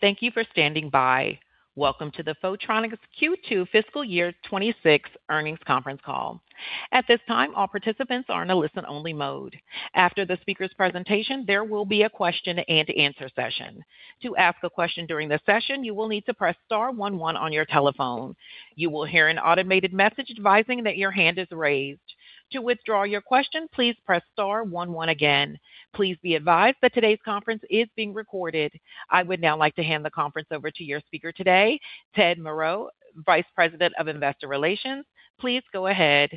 Thank you for standing by. Welcome to the Photronics Q2 Fiscal Year 2026 Earnings Conference Call. At this time, all participants are in a listen-only mode. After the speakers' presentation, there will be a question and answer session. To ask a question during the session, you will need to press star one one on your telephone. You will hear an automated message advising that your hand is raised. To withdraw your question, please press star one one again. Please be advised that today's conference is being recorded. I would now like to hand the conference over to your speaker today, Ted Moreau, Vice President of Investor Relations. Please go ahead.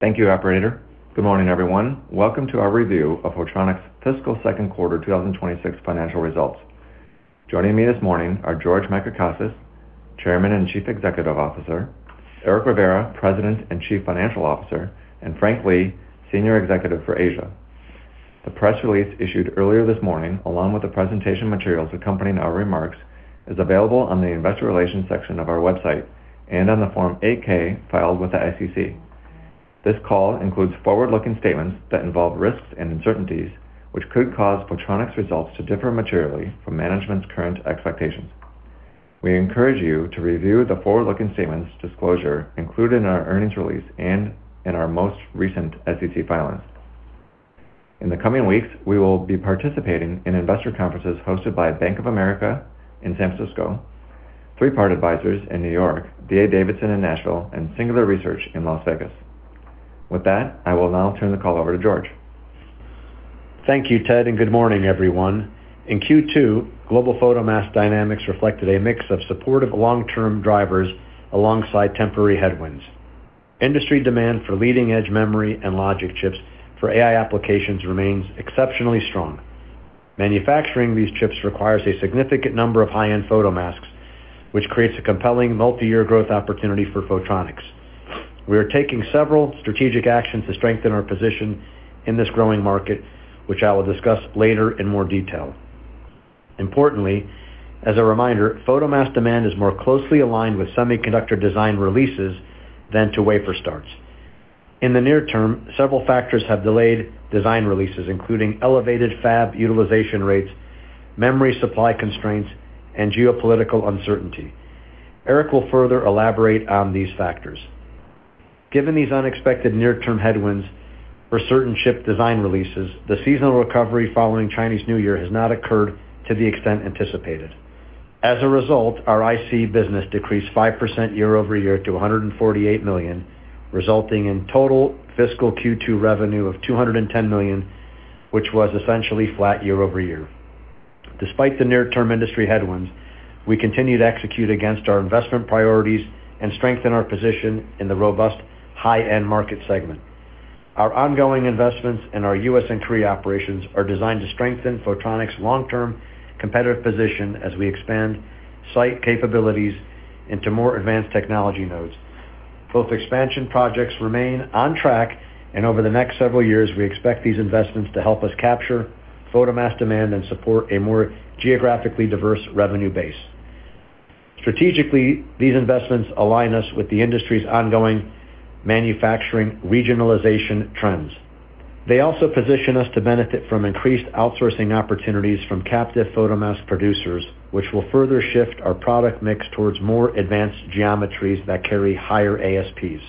Thank you, operator. Good morning, everyone. Welcome to our review of Photronics' fiscal second quarter 2026 financial results. Joining me this morning are George Macricostas, Chairman and Chief Executive Officer, Eric Rivera, President and Chief Financial Officer, and Frank Lee, Senior Executive for Asia. The press release issued earlier this morning, along with the presentation materials accompanying our remarks, is available on the investor relations section of our website and on the Form 8-K filed with the SEC. This call includes forward-looking statements that involve risks and uncertainties, which could cause Photronics results to differ materially from management's current expectations. We encourage you to review the forward-looking statements disclosure included in our earnings release and in our most recent SEC filings. In the coming weeks, we will be participating in investor conferences hosted by Bank of America in San Francisco, Three Part Advisors in New York, D.A. Davidson in Nashville, and Singular Research in Las Vegas. With that, I will now turn the call over to George. Thank you, Ted. Good morning, everyone. In Q2, global photomask dynamics reflected a mix of supportive long-term drivers alongside temporary headwinds. Industry demand for leading-edge memory and logic chips for AI applications remains exceptionally strong. Manufacturing these chips requires a significant number of high-end photomasks, which creates a compelling multi-year growth opportunity for Photronics. We are taking several strategic actions to strengthen our position in this growing market, which I will discuss later in more detail. Importantly, as a reminder, photomask demand is more closely aligned with semiconductor design releases than to wafer starts. In the near term, several factors have delayed design releases, including elevated fab utilization rates, memory supply constraints, and geopolitical uncertainty. Eric will further elaborate on these factors. Given these unexpected near-term headwinds for certain chip design releases, the seasonal recovery following Chinese New Year has not occurred to the extent anticipated. As a result, our IC business decreased 5% year-over-year to $148 million, resulting in total fiscal Q2 revenue of $210 million, which was essentially flat year-over-year. Despite the near-term industry headwinds, we continue to execute against our investment priorities and strengthen our position in the robust high-end market segment. Our ongoing investments in our U.S. and Korea operations are designed to strengthen Photronics' long-term competitive position as we expand site capabilities into more advanced technology nodes. Both expansion projects remain on track, and over the next several years, we expect these investments to help us capture photomask demand and support a more geographically diverse revenue base. Strategically, these investments align us with the industry's ongoing manufacturing regionalization trends. They also position us to benefit from increased outsourcing opportunities from captive photomask producers, which will further shift our product mix towards more advanced geometries that carry higher ASPs.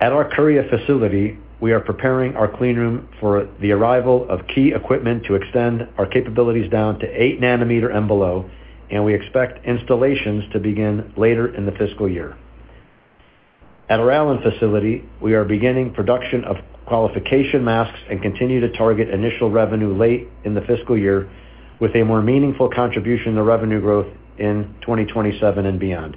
At our Korea facility, we are preparing our clean room for the arrival of key equipment to extend our capabilities down to 8 nm and below, and we expect installations to begin later in the fiscal year. At our Allen facility, we are beginning production of qualification masks and continue to target initial revenue late in the fiscal year with a more meaningful contribution to revenue growth in 2027 and beyond.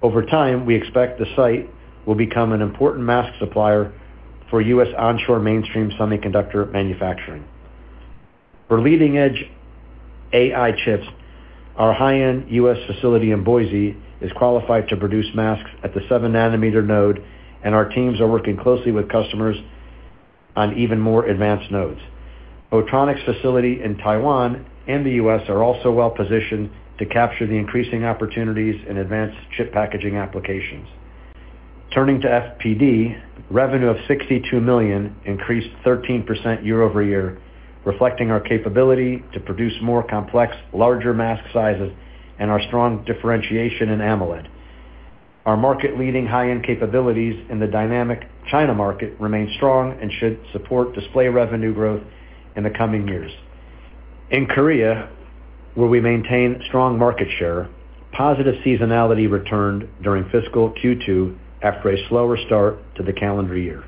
Over time, we expect the site will become an important mask supplier for U.S. onshore mainstream semiconductor manufacturing. For leading-edge AI chips, our high-end U.S. facility in Boise is qualified to produce masks at the 7 nm node, and our teams are working closely with customers on even more advanced nodes. Photronics facility in Taiwan and the U.S. are also well-positioned to capture the increasing opportunities in advanced chip packaging applications. Turning to FPD, revenue of $62 million increased 13% year-over-year, reflecting our capability to produce more complex, larger mask sizes and our strong differentiation in AMOLED. Our market-leading high-end capabilities in the dynamic China market remain strong and should support display revenue growth in the coming years. In Korea, where we maintain strong market share, positive seasonality returned during fiscal Q2 after a slower start to the calendar year.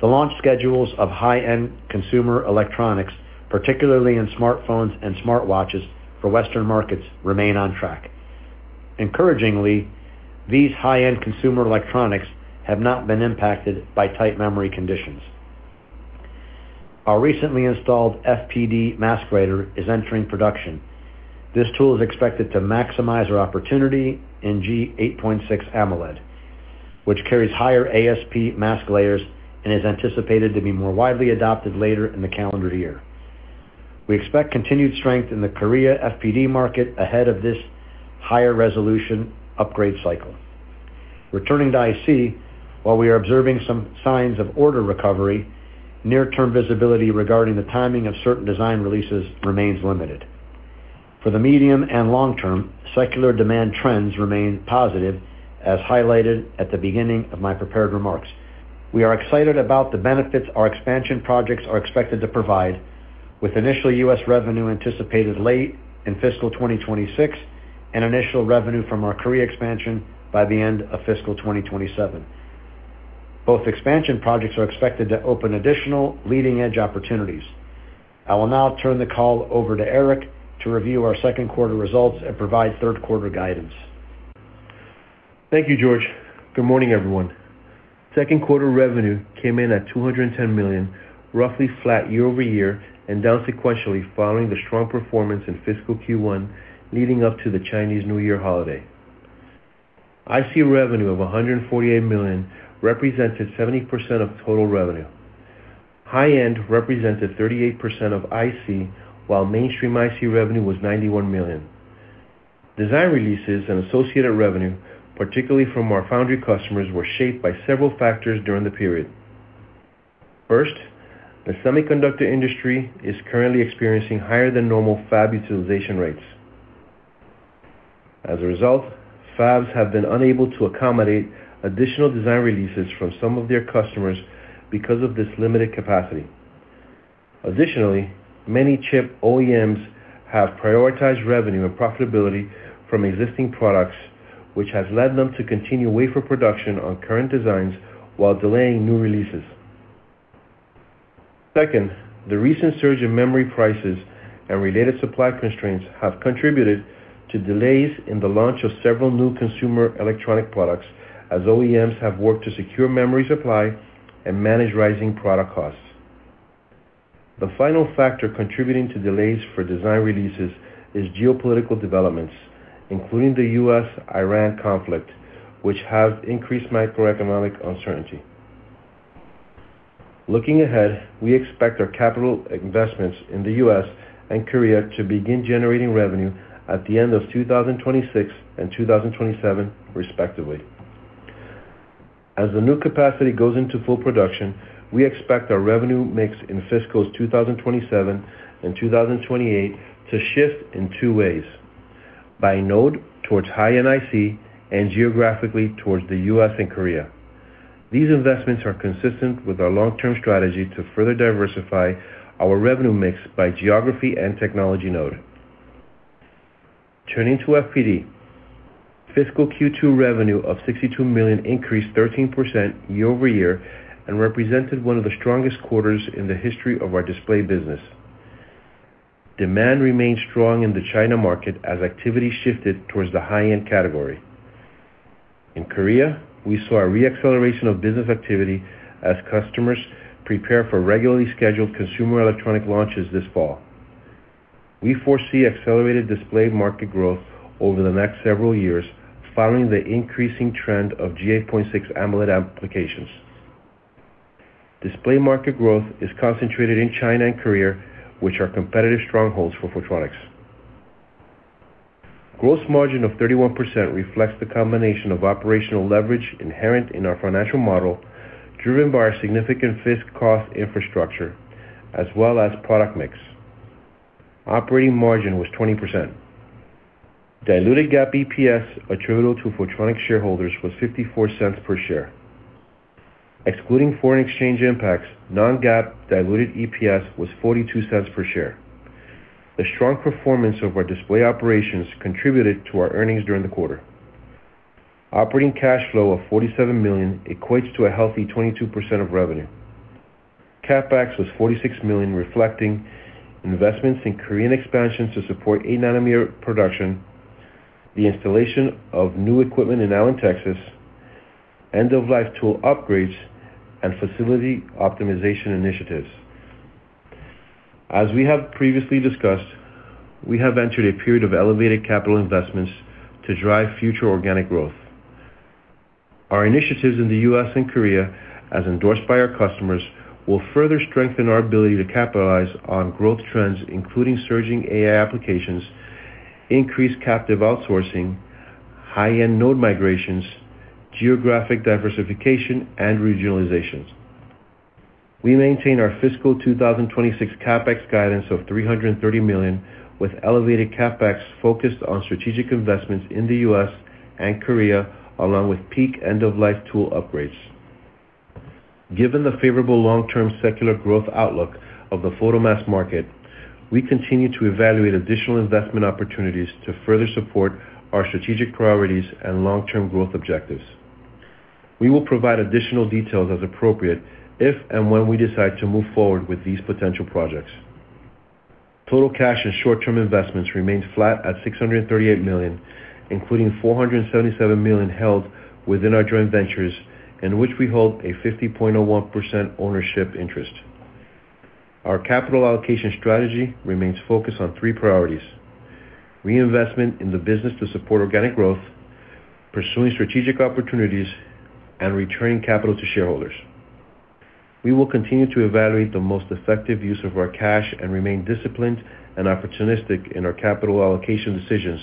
The launch schedules of high-end consumer electronics, particularly in smartphones and smartwatches for Western markets, remain on track. Encouragingly, these high-end consumer electronics have not been impacted by tight memory conditions. Our recently installed FPD mask writer is entering production. This tool is expected to maximize our opportunity in G8.6 AMOLED, which carries higher ASP mask layers and is anticipated to be more widely adopted later in the calendar year. We expect continued strength in the Korea FPD market ahead of this higher resolution upgrade cycle. Returning to IC, while we are observing some signs of order recovery, near-term visibility regarding the timing of certain design releases remains limited. For the medium and long term, secular demand trends remain positive, as highlighted at the beginning of my prepared remarks. We are excited about the benefits our expansion projects are expected to provide, with initial U.S. revenue anticipated late in fiscal 2026, and initial revenue from our Korea expansion by the end of fiscal 2027. Both expansion projects are expected to open additional leading-edge opportunities. I will now turn the call over to Eric to review our second quarter results and provide third quarter guidance. Thank you, George. Good morning, everyone. Second quarter revenue came in at $210 million, roughly flat year-over-year and down sequentially following the strong performance in fiscal Q1 leading up to the Chinese New Year holiday. IC revenue of $148 million represented 70% of total revenue. High-end represented 38% of IC, while mainstream IC revenue was $91 million. Design releases and associated revenue, particularly from our foundry customers, were shaped by several factors during the period. First, the semiconductor industry is currently experiencing higher than normal fab utilization rates. As a result, fabs have been unable to accommodate additional design releases from some of their customers because of this limited capacity. Additionally, many chip OEMs have prioritized revenue and profitability from existing products, which has led them to continue wafer production on current designs while delaying new releases. The recent surge in memory prices and related supply constraints have contributed to delays in the launch of several new consumer electronic products as OEMs have worked to secure memory supply and manage rising product costs. The final factor contributing to delays for design releases is geopolitical developments, including the U.S.-Iran conflict, which has increased macroeconomic uncertainty. Looking ahead, we expect our capital investments in the U.S. and Korea to begin generating revenue at the end of 2026 and 2027, respectively. As the new capacity goes into full production, we expect our revenue mix in fiscals 2027 and 2028 to shift in two ways: by node towards high-end IC, and geographically towards the U.S. and Korea. These investments are consistent with our long-term strategy to further diversify our revenue mix by geography and technology node. Turning to FPD. Fiscal Q2 revenue of $62 million increased 13% year-over-year and represented one of the strongest quarters in the history of our display business. Demand remained strong in the China market as activity shifted towards the high-end category. In Korea, we saw a re-acceleration of business activity as customers prepare for regularly scheduled consumer electronic launches this fall. We foresee accelerated display market growth over the next several years following the increasing trend of G8.6 AMOLED applications. Display market growth is concentrated in China and Korea, which are competitive strongholds for Photronics. Gross margin of 31% reflects the combination of operational leverage inherent in our financial model, driven by our significant fixed cost infrastructure as well as product mix. Operating margin was 20%. Diluted GAAP EPS attributable to Photronics shareholders was $0.54 per share. Excluding foreign exchange impacts, non-GAAP diluted EPS was $0.42 per share. The strong performance of our display operations contributed to our earnings during the quarter. Operating cash flow of $47 million equates to a healthy 22% of revenue. CapEx was $46 million, reflecting investments in Korean expansions to support 8 nm production, the installation of new equipment in Allen, Texas, end-of-life tool upgrades, and facility optimization initiatives. As we have previously discussed, we have entered a period of elevated capital investments to drive future organic growth. Our initiatives in the U.S. and Korea, as endorsed by our customers, will further strengthen our ability to capitalize on growth trends, including surging AI applications, increased captive outsourcing, high-end node migrations, geographic diversification, and regionalizations. We maintain our fiscal 2026 CapEx guidance of $330 million, with elevated CapEx focused on strategic investments in the U.S. and Korea, along with peak end-of-life tool upgrades. Given the favorable long-term secular growth outlook of the photomask market, we continue to evaluate additional investment opportunities to further support our strategic priorities and long-term growth objectives. We will provide additional details as appropriate if and when we decide to move forward with these potential projects. Total cash and short-term investments remained flat at $638 million, including $477 million held within our joint ventures, in which we hold a 50.1% ownership interest. Our capital allocation strategy remains focused on three priorities: reinvestment in the business to support organic growth, pursuing strategic opportunities, and returning capital to shareholders. We will continue to evaluate the most effective use of our cash and remain disciplined and opportunistic in our capital allocation decisions,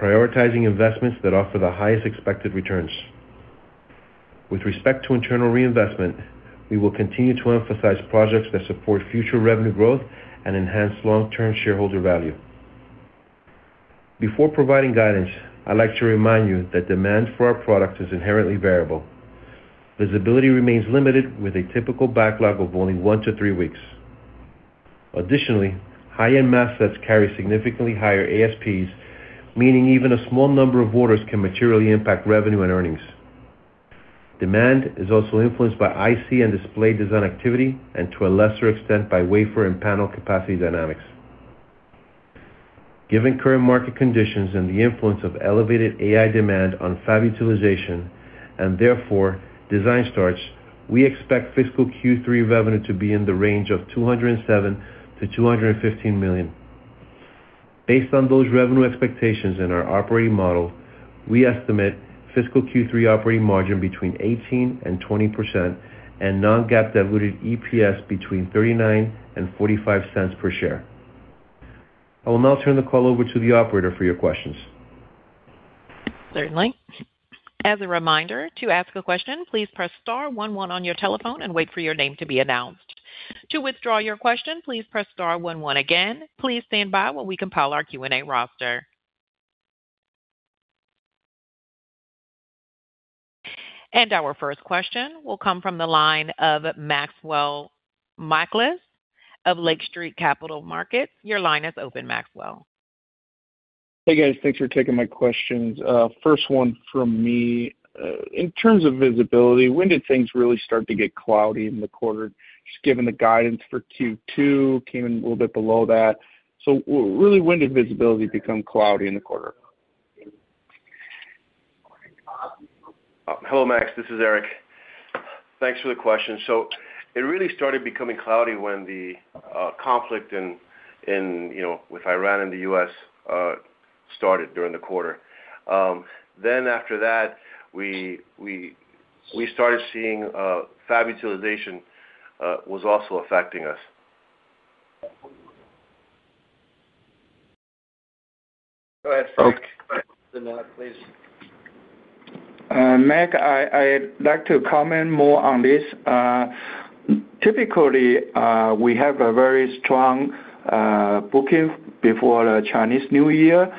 prioritizing investments that offer the highest expected returns. With respect to internal reinvestment, we will continue to emphasize projects that support future revenue growth and enhance long-term shareholder value. Before providing guidance, I'd like to remind you that demand for our products is inherently variable. Visibility remains limited with a typical backlog of only one to three weeks. Additionally, high-end mask sets carry significantly higher ASPs, meaning even a small number of orders can materially impact revenue and earnings. Demand is also influenced by IC and display design activity, and to a lesser extent, by wafer and panel capacity dynamics. Given current market conditions and the influence of elevated AI demand on fab utilization, and therefore design starts, we expect fiscal Q3 revenue to be in the range of $207 million-$215 million. Based on those revenue expectations and our operating model, we estimate fiscal Q3 operating margin between 18% and 20%, and non-GAAP diluted EPS between $0.39 and $0.45 per share. I will now turn the call over to the operator for your questions. Certainly. As a reminder, to ask a question, please press star one one on your telephone and wait for your name to be announced. To withdraw your question, please press star one one again. Please stand by while we compile our Q&A roster. Our first question will come from the line of Maxwell Michaelis of Lake Street Capital Markets. Your line is open, Maxwell. Hey, guys. Thanks for taking my questions. First one from me. In terms of visibility, when did things really start to get cloudy in the quarter? Just given the guidance for Q2, came in a little bit below that. Really, when did visibility become cloudy in the quarter? Hello, Max. This is Eric. Thanks for the question. It really started becoming cloudy when the conflict with Iran and the U.S. started during the quarter. After that, we started seeing fab utilization was also affecting us. Go ahead. Max, I'd like to comment more on this. Typically, we have a very strong booking before the Chinese New Year,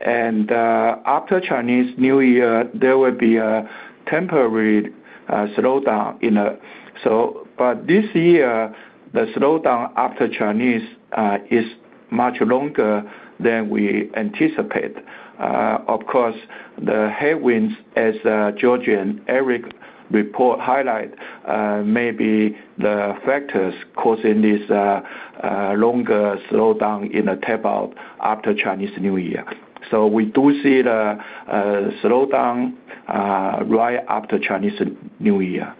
and after Chinese New Year, there will be a temporary slowdown. This year, the slowdown after Chinese is much longer than we anticipate. Of course, the headwinds as George and Eric report highlight, may be the factors causing this longer slowdown in the tape out after Chinese New Year. We do see the slowdown right after Chinese New Year,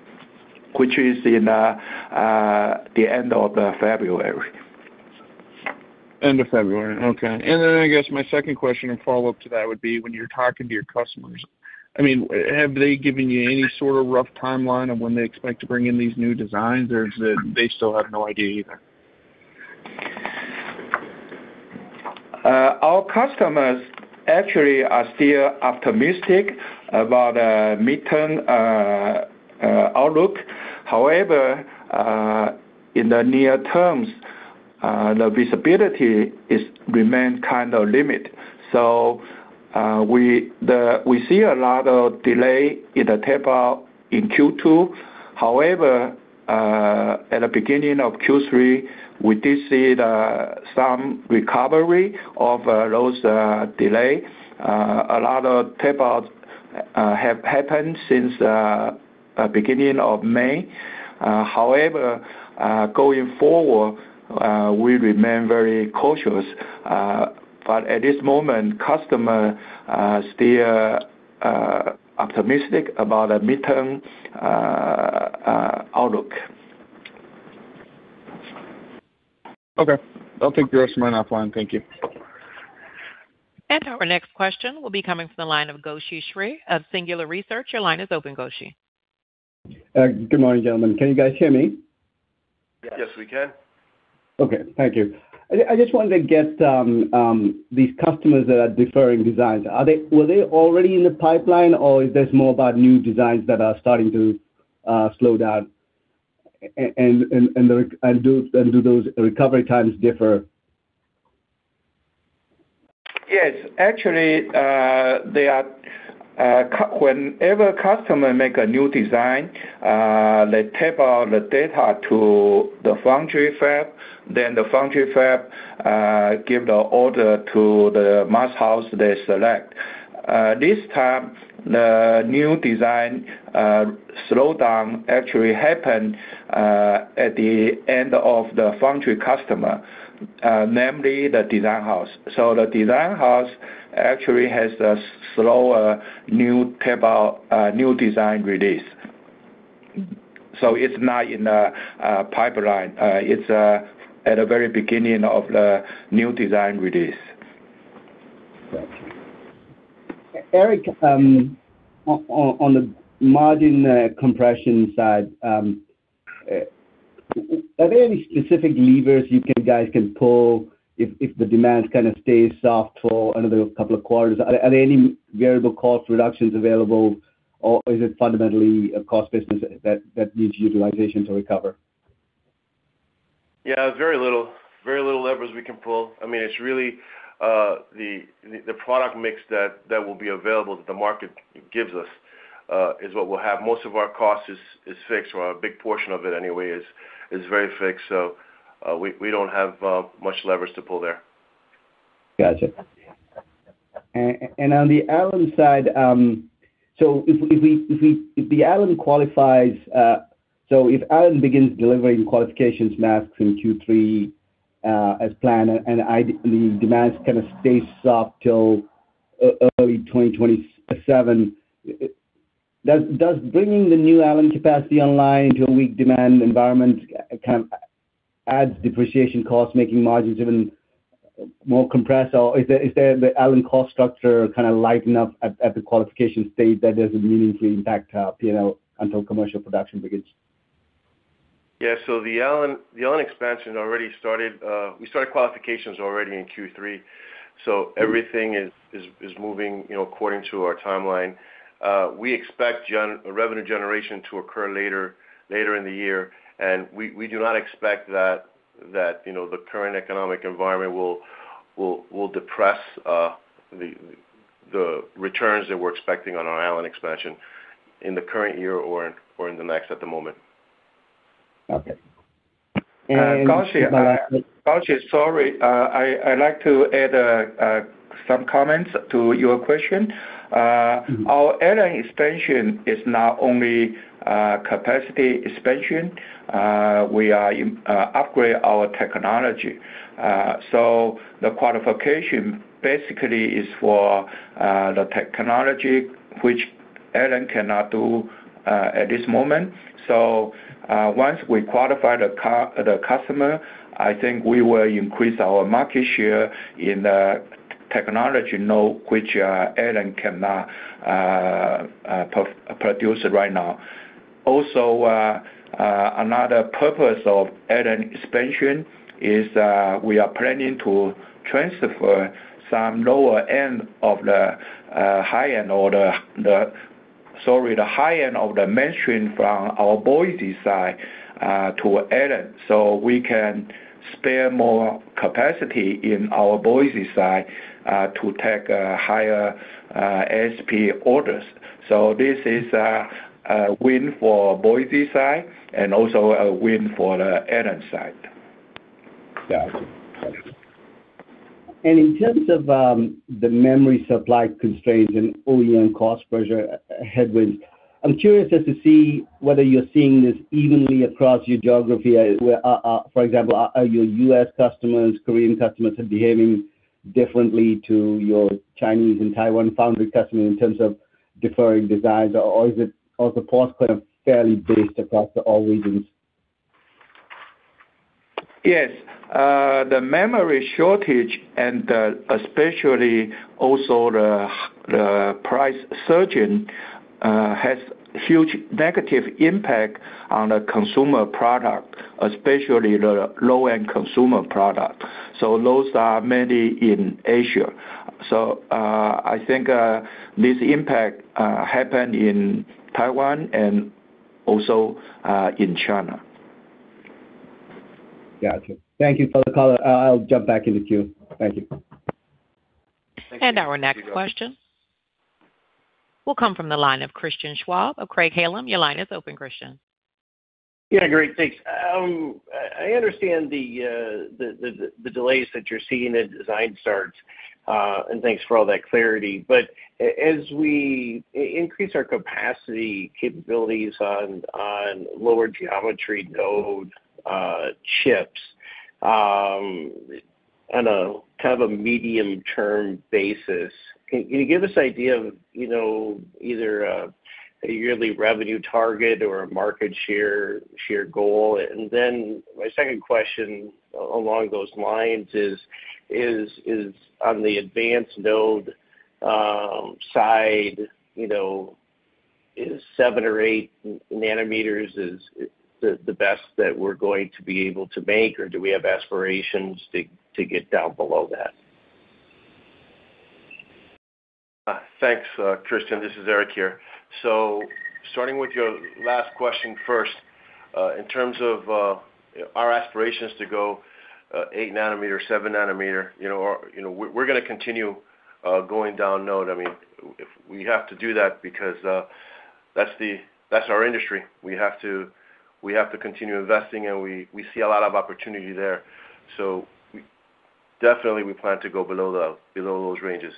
which is in the end of February. End of February. Okay. I guess my second question and follow-up to that would be, when you're talking to your customers, have they given you any sort of rough timeline on when they expect to bring in these new designs, or they still have no idea either? Our customers actually are still optimistic about the midterm outlook. In the near term, the visibility remains kind of limited. We see a lot of delay in the tape out in Q2. At the beginning of Q3, we did see some recovery of those delays. A lot of tape outs have happened since the beginning of May. However, going forward, we remain very cautious. At this moment, customers still optimistic about a midterm outlook. Okay. I'll take the rest of my offline. Thank you. Our next question will be coming from the line of Gowshi Sri of Singular Research. Your line is open, Gowshi. Good morning, gentlemen. Can you guys hear me? Yes, we can. Okay. Thank you. I just wanted to get these customers that are deferring designs. Were they already in the pipeline, or is this more about new designs that are starting to slow down? Do those recovery times differ? Yes. Actually, whenever customer make a new design, they tape out the data to the foundry fab. The foundry fab give the order to the mask house they select. This time, the new design slowdown actually happened at the end of the foundry customer, namely the design house. The design house actually has a slower new tape out, new design release. It's not in the pipeline. It's at the very beginning of the new design release. Thank you. Eric, on the margin compression side, are there any specific levers you guys can pull if the demand kind of stays soft for another couple of quarters? Are there any variable cost reductions available, or is it fundamentally a cost business that needs utilization to recover? Yeah, very little levers we can pull. It's really the product mix that will be available that the market gives us is what we'll have. Most of our cost is fixed, or a big portion of it anyway is very fixed. We don't have much leverage to pull there. Got you. On the Allen site, if Allen begins delivering qualifications masks in Q3 as planned, and the demand kind of stays soft till early 2027, does bringing the new Allen capacity online to a weak demand environment add depreciation costs, making margins even more compressed? Is the Allen cost structure kind of light enough at the qualification stage that it doesn't meaningfully impact P&L until commercial production begins? Yeah. The Allen expansion already started. We started qualifications already in Q3. Everything is moving according to our timeline. We expect revenue generation to occur later in the year, and we do not expect that the current economic environment will depress the returns that we're expecting on our Allen expansion in the current year or in the next at the moment. Okay. Gowshi, sorry. I'd like to add some comments to your question. Our Allen expansion is not only capacity expansion. We are upgrading our technology. The qualification basically is for the technology which Allen cannot do at this moment. Once we qualify the customer, I think we will increase our market share in the technology node which Allen cannot produce right now. Another purpose of Allen expansion is we are planning to transfer some lower end of the high end or the mainstream from our Boise site to Allen, so we can spare more capacity in our Boise site to take higher ASP orders. This is a win for Boise site and also a win for the Allen site. Got you. In terms of the memory supply constraints and OEM cost pressure headwinds, I'm curious as to see whether you're seeing this evenly across your geography. For example, are your U.S. customers, Korean customers behaving differently to your Chinese and Taiwan foundry customers in terms of deferring designs, or is the pause kind of fairly based across all regions? Yes. The memory shortage and especially also the price surging, has huge negative impact on the consumer product, especially the low-end consumer product. Those are mainly in Asia. I think this impact happened in Taiwan and also in China. Got you. Thank you for the call. I'll jump back in the queue. Thank you. Our next question will come from the line of Christian Schwab of Craig-Hallum. Your line is open, Christian. Yeah, great. Thanks. I understand the delays that you're seeing at design starts, and thanks for all that clarity. As we increase our capacity capabilities on lower geometry node chips on a kind of a medium-term basis, can you give us idea of either a yearly revenue target or a market share goal? My second question along those lines is, on the advanced node side, is 7 nm or 8 nm is the best that we're going to be able to make, or do we have aspirations to get down below that? Thanks, Christian. This is Eric here. Starting with your last question first, in terms of our aspirations to go 8 nm, 7 nm, we're going to continue going down node. We have to do that because that's our industry. We have to continue investing, and we see a lot of opportunity there. Definitely we plan to go below those ranges.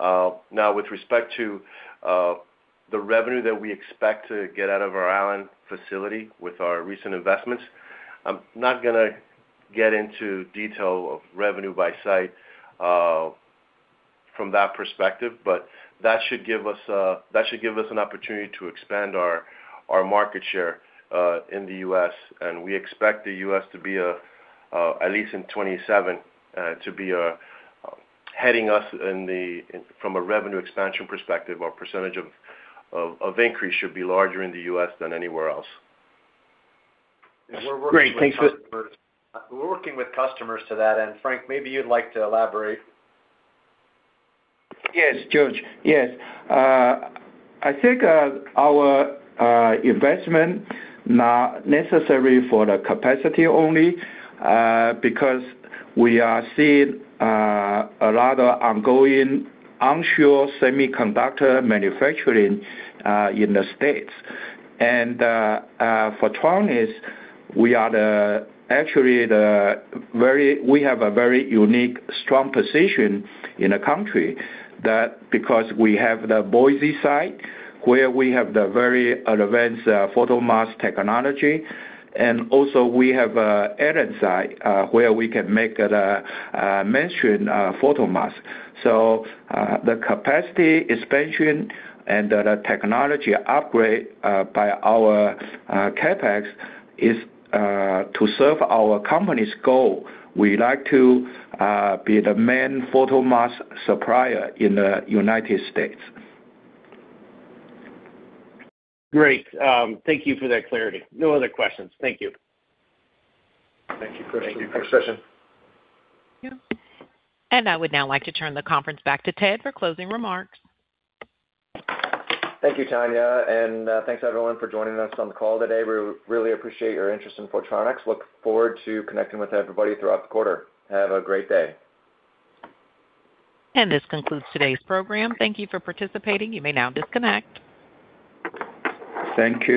Now, with respect to the revenue that we expect to get out of our Allen facility with our recent investments, I'm not going to get into detail of revenue by site from that perspective, but that should give us an opportunity to expand our market share in the U.S., and we expect the U.S. to be At least in 2027, to be heading us from a revenue expansion perspective, our percentage of increase should be larger in the U.S. than anywhere else. Great. Thanks. We're working with customers to that, and Frank, maybe you'd like to elaborate? Yes, George. Yes. I think our investment, not necessary for the capacity only, because we are seeing a lot of ongoing onshore semiconductor manufacturing in the States. Photronics, we have a very unique, strong position in the country because we have the Boise site where we have the very advanced photomask technology, and also we have the Allen where we can make the mainstream photomask. The capacity expansion and the technology upgrade by our CapEx is to serve our company's goal. We like to be the main photomask supplier in the United States. Great. Thank you for that clarity. No other questions. Thank you. Thank you, Christian. Thank you, Christian. Thank you. I would now like to turn the conference back to Ted for closing remarks. Thank you, Tanya, and thanks everyone for joining us on the call today. We really appreciate your interest in Photronics. Look forward to connecting with everybody throughout the quarter. Have a great day. This concludes today's program. Thank you for participating. You may now disconnect. Thank you.